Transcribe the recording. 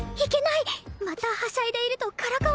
またはしゃいでいるとからかわれます